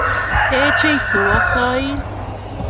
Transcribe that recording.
Ee Jeiso asain.